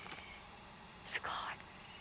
すごい。